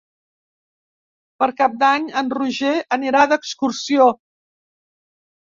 Per Cap d'Any en Roger anirà d'excursió.